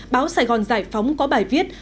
báo sài gòn giải phóng có bài viết